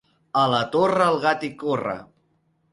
A la Torre el gat hi corre.